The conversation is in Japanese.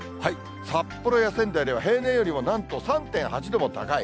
札幌や仙台では平年よりもなんと３．８度も高い。